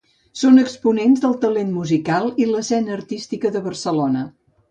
Són exponents del talent musical i l’escena artística de Barcelona.